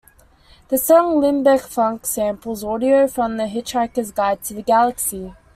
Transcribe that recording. The song "Limbic Funk" samples audio from The Hitchhiker's Guide to the Galaxy.